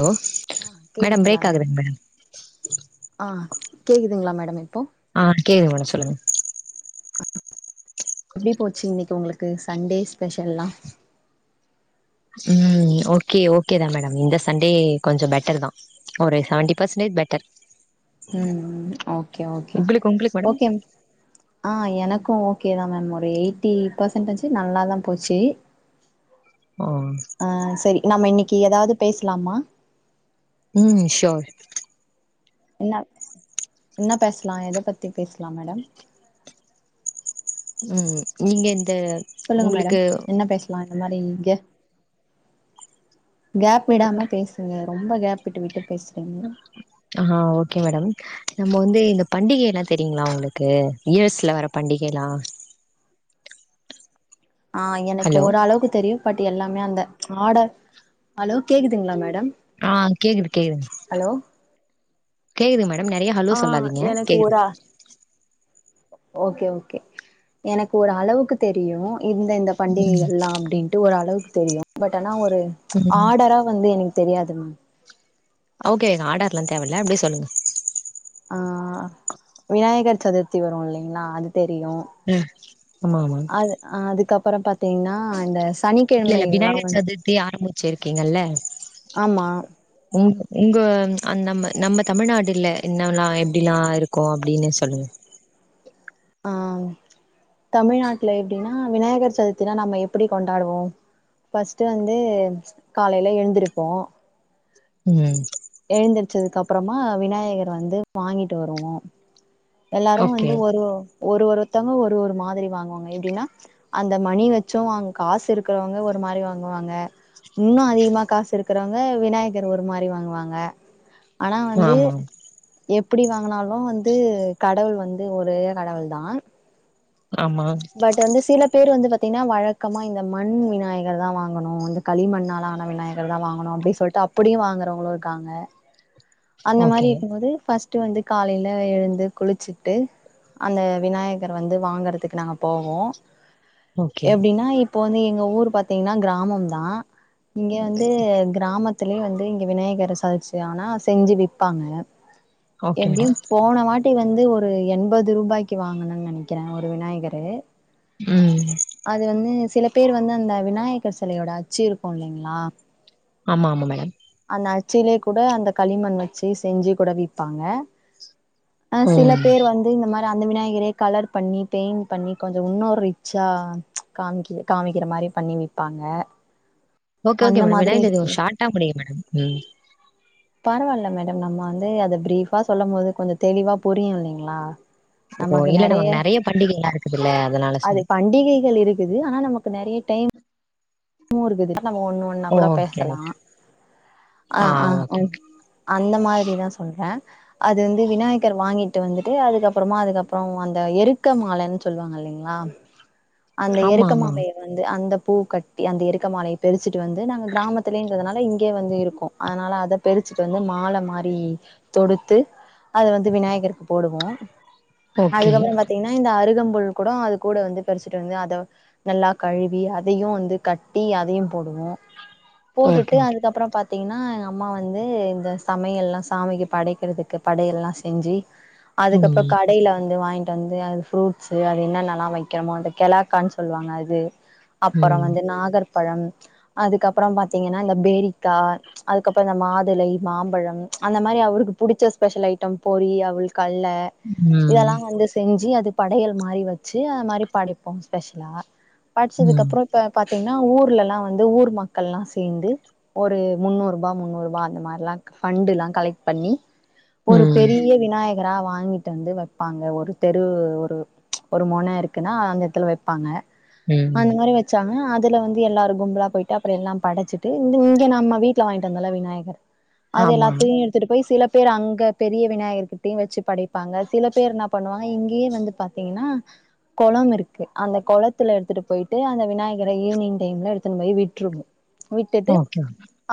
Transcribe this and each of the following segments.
Hello ஆ madam கேக்குதுங்ளா break மேட் ஆகுதுங்க மேடம் ஆ கேக்குதுங்ளா மேடம் இப்போ ஆ கேதுங்க மேடம் சொல்லுங்க எப்டி போச்சு இன்னிக்கு ஒங்ளுக்கு சண்டே ஸ்பெஷல்லா ம் ஓகே ஓகேதா மேடம் இந்த சண்டே கொஞ்ச பெட்டர் தா ஒரு சவன்ட்டி பர்சன்டேஜ் பெட்டர் ம் ம் ஓகே ஓகே உங்களுக்கு உங்களுக்கு மேடம் ஓகேம் அ எனக்கு ஓகேதா மேம் ஒரு எய்ட்டி பெர்சன்டேஜி நல்லாதா போச்சி ஒ அ சரி நம்ம இன்னிக்கி எதாவ்து பேஸ்லாமா ம் ஷோர் என்ன என்ன பேஸ்லா எத பத்தி பேஸ்லா மேடம் நீங்க இந்த சொல்லுங்க மேடம் உங்களுக்கு என்ன பேசலா இந்த மாதிரி இங்க கேப் விடாம பேசுங்க ரொம்ப கேப் விட்டு விட்டு பேசுறீங்க ஆ ஓகே மேடம் நம்ம வந்து இந்த பண்டிகைனா தெரியுங்ளா உங்களுக்கு யூ எஸ்ல வர பண்டிகை லா ஆ எனக்கு ஹலோ ஓரளவுக்கு தெரிய பட் எல்லாமே அந்த ஆர்டர் ஹலோ கேக்குதுங்ளா மேடம் ஆ கேக்குது கேக்குது ஹலோ கேக்குது மேடம் நறைய ஹலோ ஆ சொல்லாதீங்க எனக்கு கேக்குது ஒரு ஓகே ஓகே எனக்கு ஒரு அளவுக்கு தெரியு இந்தெந்த பண்டிகை ம் எல்லாம் அப்டின்ட்டு ஓரளவுக்கு தெரியு பட் ஆனா ஒரு ம் ஆர்டரா வந்து எனக்கு தெரியாது ஓகே ஆர்டர்லா தேவல்ல அப்டியே சொல்லுங்க அ விநாயகர் சதுர்த்தி வரு இல்லைங்களா அது தெரியு ஆமா ஆமா அது அதுக்கப்புற பாத்தீங்னா அந்த சனி இல்ல இல்ல விநாயகர் சதுர்த்தி ஆரம்மிச்சிருக்கீங்கல்ல ஆமா உங் உங்க நம்ம நம்ம தமிழ்நாட்டில்ல இன்னவெல்லா எப்டிலா இருக்கு அப்டின்னு சொல்லுங்க தமிழ்நாட்டுல எப்டினா விநாயகர் சதுர்த்தினா நம்ம எப்டி கொண்டாடுவோ ஃபர்ஸ்ட்டு வந்து காலைல எழுந்திரிப்போ ம் எழுந்திரிச்சதுக்கப்பறமா விநாயகர் வந்து வாங்கிட்டு வருவோ எல்லாரு ஓகே வந்து ஒரு ஒரு ஒருத்தவங்க ஒரு ஒரு மாதிரி வாங்குவாங்க எப்டினா அந்த மணி வச்சு வாங் காசு இருக்கறவங்க ஒரு மாரி வாங்குவாங்க இன்னு அதிகமா காசு இருக்கறவங்க விநாயகர் ஒரு மாரி வாங்குவாங்க ஆனா வந்து ஆமா எப்டி வாங்கனாலு வந்து கடவுள் வந்து ஒரே கடவுள் தா ஆமா ட்ட வந்து சில பேர் வந்து பாத்திங்னா வழக்கமா இந்த மண் விநாயகர் தா வாங்கணு இந்த களிமண்ணால ஆன விநாய கர்தா வாங்கணு அப்டி சொல்ட்டு அப்புடியு வாங்குறவுங்களு இருக்காங்க அந்த ஓகே மாரி இருக்கும் போது ஃபர்ஸ்டு வந்து காலைல எழுந்து குளிச்சுட்டு அந்த விநாயகர் வந்து வாங்கறதுக்கு நாங்க போவோ ஓகே எப்டினா இப்போ வந்து எங்க ஊர் பாத்திங்னா கிராமம் தா இங்க வந்து கிராமத்திலே வந்து இங்க விநாயகர் சதச்சு ஆனா செஞ்சு விப்பாங்க ஓகே எப்டியு மேடம் போன வாட்டி வந்து ஒரு எண்பது ரூபாய்க்கு வாங்கனேன் நெனைக்கிறே ஒரு விநாயகரு ம் அது வந்து சிலப் பேர் வந்து அந்த விநாயகர் சிலையோட அச்சு இருக்கு இல்லைங்ளா ஆமா ஆமா மேடம் அந்த அச்சுலே கூட அந்த களிமண் வச்சு செஞ்சு கூட விப்பாங்க ஆ சில ம் பேர் வந்து இந்த ம து அந்த மிநாயகரே கலர் பண்ணி பெயிண்ட் பண்ணி கொஞ்ச உன்னோ ரிச்சா காம்க்கி காமிக்கிற மாரி பண்ணி விப் பாங்க okay okay madam Vinayaka Chaturthi கொஞ் ஷாட்டா முடிங்க மேடம் ம் பரவால்ல மேடம் நம்ப வந்து அத பிரீஃபா சொல்லம் போது கொஞ்ச தெளிவா புரியு இல்லைங்ளா ஓ நமக்கு இல்ல நெறைய பண்டிகைல்லா இருக்குதுல்ல அதனால அது சொன்னே பண்டிகைகள் இருக் இது ஆனா நமக்கு நெறைய டைம் மு இருக்குது நம்ம ஒன்னு ஒன்னா கூட ஓகே ஓகே. பேசலாம் ஆ ஆ உம் அந்த மாதிரி தான் சொல்றே அது வந்து விநாயகர் வாங்கிட்டு வந்துட்டு அதுக்கு அப்பறமா அதுக்கப்பறம் அந்த எருக்க மாலன் சொல்லுவாங்க இல்லைங்ளா அந்த ஆமா ஆமா எருக்கமாலைய வந்து அந்த பூ கட் டி அந்த எருக்க மாலைய பெரிச்சுட்டு வந்து நாங்க கிராமத்துலேங்கறதுனால இங்கே வந்து இருக்கோ அதனால அத பெறிச்சுட்டு வந்து மால மாரி தொடுத்து அத வந்து விநாயகருக்கு போடுவோ ஓகே அதுக்கப்பறம் பாத்தீங்கன்னா இந்த அருகம்புல் கூட அது கூட வந்து பறிச்சுட்டு வந்து அத நல்லா கழுவி அதையும் வந்து கட்டி அதையு போடுவோம் ஓகே போட்டுட்டு ஓகே அதுக்கப்பறம் பாத் தீங்கன்னா எங்க அம்மா வந்து இந்த சமையல் எல்லாம் சாமிக்கு படைக்கறதுக்கு படையெல்லா செஞ்சு அதுக்கப்பறம் ம் காய் கடைல வந்து வாங்கிட்டு வந்து அது ஃப்ரூட்ஸ்சு அது என்னெல்லா வெக்கிறமோ அந்த கெலாக்கான் சொல்லுவாங்க அது அப்பறம் ம் வந்து நாகர்பழம் அதுக்கப்பறம் பாத்தீங்கன்னா இந்த பேரிக்கா அதுக்கப்பறோ இந்த மாதுளை மாம்பழம் அந்த மாரி அவுருக்கு புடிச்ச ஸ்பெஷல் ஐட்டம் பொரி அவுள் கல்ல ம் இதெல்லாம் வந்து செஞ்சு அது படையல் மாரி வெச்சு அது மாரி படைப்போ ஸ்பெஷலா ம் படச்சதுக்கப்பறோ இப்ப பாத்தீங்கன்னா ஊர்ல எல்லா வந்து ஊர் மக்கள்லா சேந்து ஒரு முன்னூரூபா முன்னூரூபா அந்த மாரில்லா ஃபண்டுளா கலெக்ட் பண்ணி ஒரு ம் பெரிய விநாயகரா வாங்கிட்டு வந்து வெப்பாங்க ஒரு தெரு ஒரு ஒரு மொண இருக்குன்னா அந்த எத்துல வெப்பாங்க அந்த ம் மாரி வெச் சாங்க அதுல வந்து எல்லாரும் கும்பலா போயிட்டு அப்றோ எல்லாம் படச்சிட்டு இங்கே நம்ம வீட்ல வாங்கிட்டு வந்தோல்ல விநாயகர் அது ஆமா எல்லாத்தையு எ த்துட்டு போய் சில பேரு அங்க பெரிய விநாயகர்கிட்டயு வெச்சு படைப்பாங்க சில பேர் என்ன பண்ணுவாங்க இங்கேயே வந்து பா த்தீங்கன்னா கொளம் இருக்கு அந்த கொளத்துல எடுத்துட்டு போயிட்டு அங்க விநாயகரை ஈவி்னிங் டைம்ல எடுத்துன் போய் விட்ருவோ விட்டுட்டு ஓகே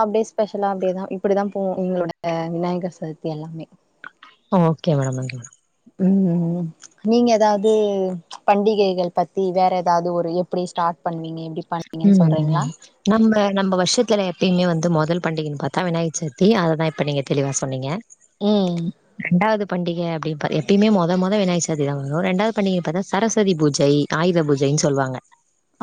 அப்படியே ஸ்பெஷலா அப்டியே ஸ்பெஷலா அப்டியே தா இப்டி தா போவு எங்களோட விநாயகர் சதுர்த்தி எல்லாமே ஓகே மேடம் ஓகே மேடம் ம் நீங்க எதாவது பண்டிகைகள் பத்தி வேற எதாவது ஒரு எப்டி ஸ்டார்ட் பண்ணுவீங்கே எப்டி பண்ணுவீங்கன் ம். சொல்றீங்ளா நம்ம நம்ம வருஷத்துல எப்பயுமே வந்து முதல் பண்டிகைன்னு பாத்தா விநாயகர் சதுர்த்தி அததான் இப்ப நீங்க தெளிவா சொன்னீங்க ம் ரெண்டாவது பண்டிக அப்டி பா எப்பயுமே மொத மொத விநாயக சதுர்த்திதா வரும் ரெண்டாவது பண்டிகை பாத்தா சரஸ்வதி பூஜை ஆயுத பூஜைன் சொல்வாங்க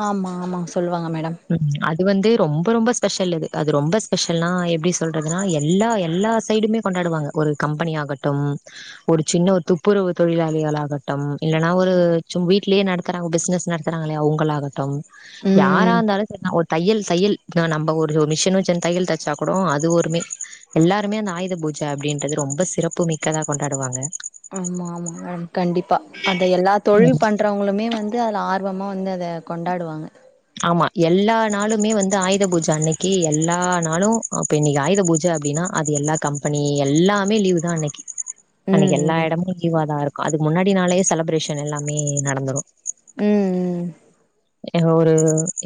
ஆமா ஆமாங் சொல்லுவாங்க மேடம் ம் அது வந்து ரொம்ப ரொம்ப ஸ்பெஷலு அது அது ரொம்ப ஸ்பெஷல்னா எப்டி சொல்றதுனா எல்லா எல்லா சைடுமே கொண்டாடுவாங்க ஒரு கம்பெனி ஆகட்டும் ஒரு சின்ன ஒரு துப்புரவு தொழிலாளிகள் ஆகட்டும் இல்லன்னா ஒரு சும் வீட்லயே நடத்துறாங்க பிசினஸ் நடத்துறாங்களே அவங்களாகட்டும் யாரா ம் இருந்தாலு செரி நா ஒர் தையல் தையல் நம்ம ஒரு மிஷின் வச்சே தையல் தைச்சா கூட அது ஒருமே எல்லாருமே அந்த ஆயுத பூஜ அப்டின்றது ரொம்ப சிறப்புமிக்கதா கொண்டாடுவாங்க ஆமா ஆமா மேடம் கண்டிப்பா அத எல்லா தொழில் பண்றவங்களுமே வந்து அதுல ஆர்வமா வந்து அது இத கொண்டாடுவாங்க ஆமா எல்லா நாளுமே வந்து ஆயுத பூஜ அன்னைக்கி எல்லா நாளு அப்ப இன்னைக்கி ஆயுத பூஜ அப்டின்னா அது எல்லா கம்பெனி எல்லாமே லீவு தா அன்னைக்கி அன்னைக்கி ம் எல்லா ம் எடமு லீவாதா இருக்கு அதுக்கு முன்னாடினாலே செலப்ரேஷன் எல்லாமே நடந்துரு ம் ம் எங்க ஒரு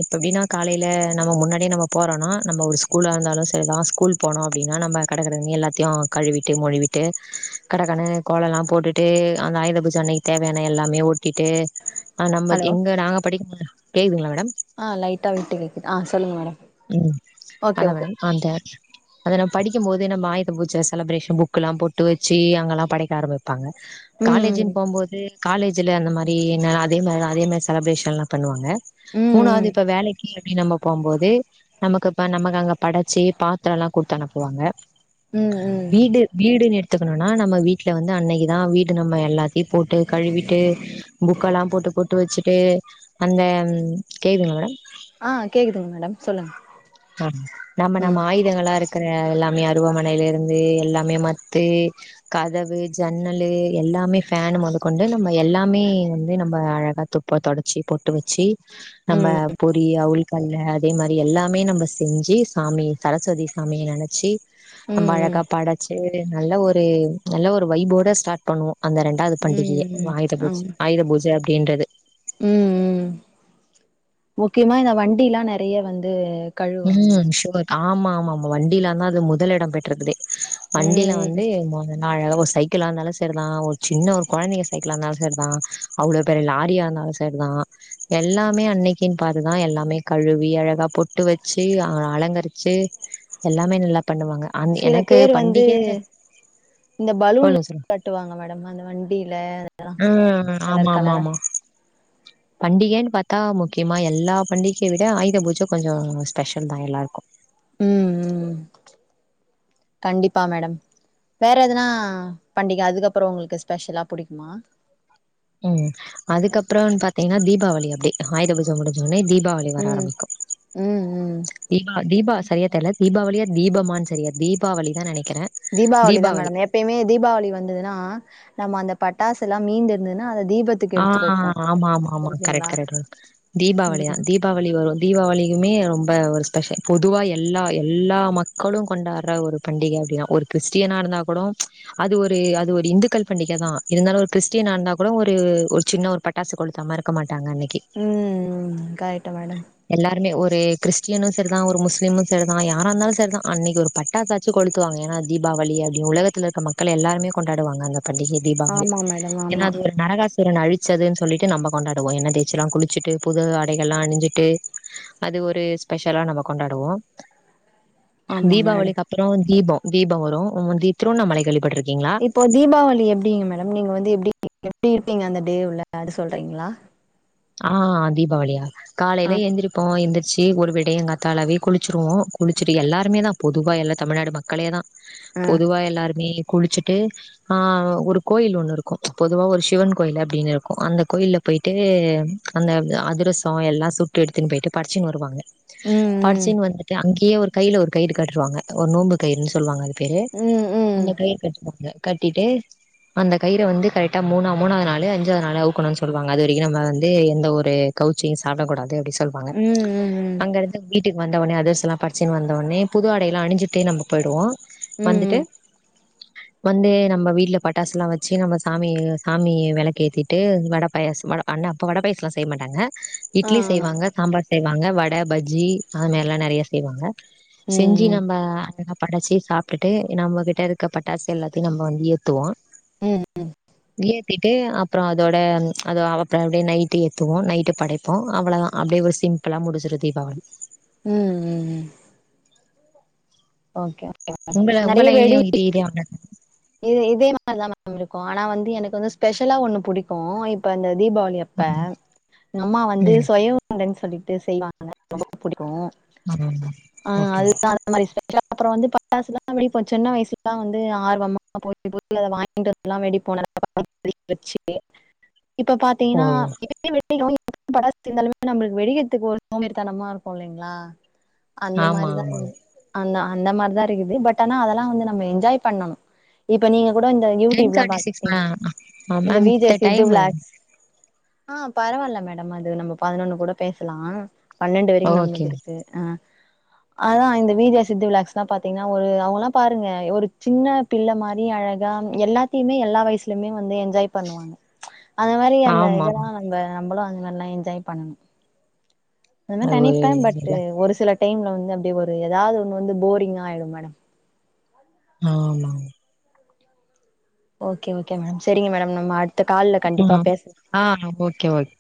இப்ப எப்டின்னா காலையில நம்ம முன்னாடியே நம்ம போறோனா நம்ம ஒரு ஸ் கூலா இருந்தாலு செரிதா ஸ்கூல் போனோ அப்டின்னா நம்ம கடகடனு எல்லாத்தையு கழுவிட்டு மொழிவிட்டு கடக்கனு கோலல்லா போட்டுட்டு அந்த ஆயுத பூஜ்ச்ச அன்னைக்கி தேவயான எல்லாமே ஒட்டிட்டு ஆ நம்ம ஹலோ எங்க நாங்க படிக்கும்போது கேக்குதுங்களா மேடம் ஆ லைட்டா விட்டு கேக்குது ஆ சொல்லுங்க மேடம் ம் ஓகே அதா ஓகே மேடம் அஅந்த அத நம் படிக்கும் போது நம்ம ஆயுத்த பூஜ செலிப்ரேஷ புக் எல்லா போட்டு வச்சு அங்கெல்லா படைக்க ஆரம்பிப்பாங்க காலேஜின் ம் போம்போது காலேஜ்ல அந்த மாரி என்ன அதே மா அதே மாரி செலப்ரேஷன் எல்லா பண்ணுவாங்க ம் மூணாவுது ம் இப்ப வேலைக்கி இல்லாட்டி நம்ம போம்போதே நமக்குப்ப நமக்கு அங்க படச்சு பாத்திரோ எல்லா கொட்த்து அனுப்புவாங்க ம் ம் ம். வீட்டு வீடுன்னு எடுத்துக்கணுனா நம்ம வீட்டுல வந்து அன்னைக்குதா வீடு நம்ம எல்லா சி போட்டு கழுவிட்டு புக்கல்லா போட்டு பொட்டு வச்சு டு அந்த கேக்குதுங்கள ஆ கேக்குதுங்க மேடம் சொல்லுங்க ஆ நம்ம நம்ம ம் ஆயுதங்களா இருக் க்கற எல்லாமே அருவாமனைல இருந்து எல்லாமே மத்து கதவு ஜன்னலு எல்லாமே ஃபேன் மொதகொண்டு நம்ம எல்லாமே வந்து நம்ம அழகா தொ ப தொடச்சி பொட்டு வச்சி நம்ம ம் பொறி அவுள் கல்ல அதே மாரி எல்லாமே நம்ம செஞ்சு சாமி சரஸ்வதி சாமிய நெனச்சி நம்ம ம் ம் அழகா படச்சு நல்ல ஒரு நல்ல ஒரு வைபோட ஸ்டார்ட் பண்ணுவோ அந்த ரெண்டாவ்து பண்டிகிய ம் ம் ஆயுத ஆ பூஜ ஆயுத பூஜ அப்டின்றது ம் ம் முக்கிமா இந்த வண்டில்லா நெறய வந்து கழுவுவாங்க ம் மேடம் சுவர்க் ஆமா ஆமாம வண்டியில்ல தா அது முதல் இடம் பெற்றதுலே வண்டில ம் வந்து மொத அழகா ஒரு சைக்கிளா இருந்தாலு சரிதா ஒரு சின்ன ஒரு குழந்தைங்க சைக்கிளா இருந்தாலு சரி தா அவ்வளோ பெரிய லாரியா இருந்தாலு ச சரிதா எல்லாமே அன்னைக்கின் பாதுதா எல்லாமே கழுவி அழகா பொட்டு வச் ச்சி அலங்கரிச்சு எல்லாமே நல்லா பண்ணுவாங்க அந் சில எனக்கு பேரு வந்து பண்டிகை இந்த பலூன்ல சொல்லுங்க சொல்லுங்க கட்டுவாங்க மேடம் அந்த வண்டியில ம் ஆமா ஆமா ஆமா பண்டிகன்னு பாத்தா முக்கியமா எல்லா பண்டிகையை விட ஆயுத பூஜ கொஞ்சோ ஸ்பெஷல் தா எல்லாருக்கு ம் ம் கண்டிப்பா மேடம் வேற எதுனா பண்டிக அதுக்கப்புறோ உங்களுக்கு ஸ்பெஷலா புடிக்குமா ம் அதுக்கப்புறோனு பாத்தீங்கன்னா தீபாவளி அப்டே ஆயுத பூஜ முடிஞ்சோனே தீபாவளி அப்டே வர ம் ஆரம்மிக்கு ம் ம் தீபா தீபா சரியா தெரில தீபாவளியா தீபமான்னு சரியா தீபாவளி தா நெனைக்கிறே தீபாவளி தா மேடம் எப் எப்பயுமே தீபாவளி வந்ததுன்னா நம்ம அந்த பட்டாசுல்லாம் மீந்திருதுன்னா அந்த தீபத் ஆ ஆமா ஆமா ஆமா கரெக்ட் கரெக்ட் தீபாவளி தா ம் தீப் தீபாவளி வரு தீபாவளிகுமே ரொம்ப ஒரு ஸ்பெஷல் பொதுவா எல்லா எல்லா மக் மக்களும் கொண்டாடுற ஒரு பண்டிக அப்டின்னா ஒரு கிறிஸ்டியனா இருந்தா கூடோ அது ஒரு அது ஒரு இந்துக்கள் பண்டிக தா இருந்தாலு ஒரு கிறிஸ்டியன்னா இருந்தா கூட ஒரு ஒரு ஒரு சின்ன ஒரு பட்டாசு கொளுத்தாம இருக்க மாட்டாங்க அன்னைக்கு ம் கரெக்ட்டு மேடம் எல்லாருமே ஒரு கிறிஸ்டியனு சரிதா ஒரு முஸ்லிமு சரிதா யாரா இருந்தாலு சரிதா அன்னைக்கு ஒரு பட் பட்டாசாச்சி கொளுத்துவாங்க ஏனா தீபாவளி அப்டி உலகத்தில இருக்க மக்கள் எல்லாருமே கொண்டாடுவாங்க அந்த பண்டிகை தீபாவளி ஆமா மேடம் ஏனா ஆமா அது ஒரு நரகாஸ் சுரன அழிச்சதுன் சொல்லிட்டு நம்ம கொண்டாடுவோ எண்ண தேய்ச்செல்லா குளிச்சுட்டு புது ஆடைகள்லா அணிஞ்சி ட்டு அது ஒரு ஸ்பெஷலா நம்ம கொண்டாவோ ஆமா மேடம் தீபாவளிக்கப் அப்புறோ தீபோ தீபோ வரு முந்தி த்ருவண்ணாமலை கேள்விபட்ருக்கீங்ளா இப்போ தீபாவளி எப்படிங்க மேடம் நீங்க வந்து எப்டி எப்டி இருப்பீங்க அந்த டே உள்ள அத சொல்றீங்ளா ஆ தீபாவளியா ஆ காலைல எந்திரிப் போ எந்திரிச்சி ஒரு விடியங்காத்தாலாவே குளிச்சுருவோ குளிச்சிட்டு எல்லாருமே தா பொதுவா எல்லா தமிழ்நாடு மக்களே தா ஆ பொதுவா எல்லாருமே குளிச்சுட்டு ஆ ஒரு கோயில் ஒன்னு இருக்கு பொதுவா ஒரு சிவன் கோயில் அப்டினு இருக்கு அந்த கோயில்ல போயிட்டு அந்த அதிரசோ எல்லா சுட்டு எடுத்துன் போயிட்டு படச்சின் வருவாங்க ம் படச்சின் வந்துட்டு அங் அங்கயே ஒரு கையில ஒரு கயிறு கட்ருவாங்க ஒரு நோம்பு கயிறுன் சொல்வாங்க அது பேரு ம் ம் ம் அந்த கயிறு கட்டுவாங்க கட்டிட்டு அந்த கயிற வந்து கரெக்டா மூணா மூணாவது நாளு அஞ்சாவது நாளு அவுக்கணுன் சொல்லுவாங்க அது வரைக்கு நம்ம வந்து எந்த ஒரு கவுச்சயு சாப்டக்கூடாது அப்டி சொல்வாங்க ம் ம் ம் அங்க இருந்து வீட்டுக்கு வந்தவுனே அதரசோ எல்லா படச்சுன் வந்தவுட்னே புது ஆடைலா அணி்ஞ்சுட்டே நம்ம போயிடுவோ ம் ம் வந்துட்டு வந்து நம்ம வீட்ல பட்டாசுலா வச்சு நம்ம சாமிய சாமி வெளக்கேத்திட்டு வட பாயசோ வ அண்ணா இப்ப வடை பாயாசெலா செய்ய மாட்டாங்க இட்லி ம் செய்வாங்க சாம்பார் செய்வாங்க வட பஜ்ஜி அது மாரிலா நெறய செய்வாங்க செஞ்சு ம் நம்ம படச்சி சாப்ட்டுட்டு நம்மகிட்ட இருக்க பட்டாசு எல்லாத்தயு நம்ம வந்து ஏத்துவோ ம் ம் ஏத்திட்டு அப்றோ அதோட அதோ அவப்ப அப்டியே நைட்டு ஏத்துவோ நைட்டு படைப்போ அவ்ளதா அப்டியே சிம்பிளா முடிஞ்சிடு தீபாவளி ம் ம் ம் ஓகே ஓகே உங்கள உங்க நெறய வெடி லைன்லயு இதே இதே இ இதே மாரிதா மேம் இருக்கு ஆனா வந்து எனக்கு வந்து ஸ்பெஷலா ஒன்னு புடிக்கு இப்ப இந்த தீபாவளி அப் இப்ப எங்க அம்மா ம் வந்து ம் சுய உருண்டன் சொல்லிட்டு செய்வாங்க ரொம்ப புடிக்கு ஆமாமா ஆ ஓகே அதுதா அந்த மாரி இ அப்றோ வந்து பட்டாசுலா வெடிப்போ சின்ன வயசுல்லா வந்து ஆர்வமா போய் போய் அத வாங் வாங்கிட்டு வந்துல்லா வெடிப்போ [inaudible] வச்சு இப்ப ஓ பாத்தீங்கன்னா [inaudible] இருக்கு இல்லங்ளா அந்த ஆமா மாரிதா ஆமா இருந்து அந்த அந்த மாரிதா இருக்குது பட் ஆனா அதெலா வந்து நம்ம என்ஜாய் பண்ணனு இப்ப நீங்க கூட இந்த டென் யூடியூப்லா தேர்ட்டி சிக்ஸ் பாப்பீங்க ஆ ஆ இந்த மேம் வி ஜேஸ் சித்து டைமு விலாஸ் ஆ பரவால்ல மேடம் அது நம்ம பதினொன்னு கூட பேசலா பன்னெண்டு வரைக்கு ஓகே நம்மள்து இருக்கு அ அதா இந்த வீஜேஸ் சித்து விலாஸ்லா பாத்தீங்கன்னா ஒரு அவுங்கலா பாருங்க ஒரு சின்ன பிள்ள மாரி அழகா எல்லாத் தியுமே எல்லா வயசுலயுமே வந்து என்ஜாய் பண்ணுவாங்க அந்த மாரி அந்த ஆமா இதெலா நம்ம நம்மளு அந்த மாரிலா என்ஜாய் பண்ணணு அதுனா அது ஒரு தனிப்பே பட் இல்ல ஒரு சில டைம்ல வந்து அப்டி ஒரு ஏதாவது ஒண்ணு வந்து போரிங்கா ஆயிடு மேடம் ஆ மா ஓகே ஓகே மேடம் சரிங்க மேடம் நம்ம அடுத்த கால்ல கண்டிப்பா ஆ பேச ஆ ஓகே ஓக்